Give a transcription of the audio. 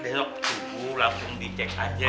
besok tunggu langsung dicek aja